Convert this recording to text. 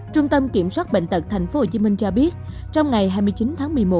trung tâm kiểm soát bệnh tật tp hcm cho biết trong ngày hai mươi chín tháng một mươi một